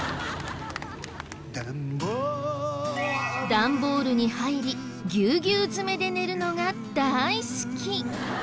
段ボールに入りぎゅうぎゅう詰めで寝るのが大好き。